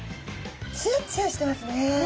ツヤツヤしてますね。